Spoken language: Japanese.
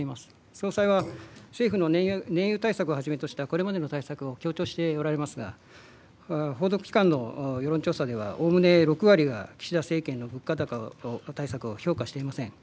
総理は政府の燃油対策をはじめとしたこれまでの対策を強調しておられますが報道機関の世論調査ではおおむね６割が岸田政権の物価高対策を評価していません。